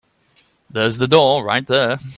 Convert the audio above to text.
There's the door right there.